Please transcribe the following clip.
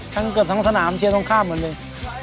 ทั้งนั้นเกือบทั้งสนามเชียรต้องข้ามหมดเลย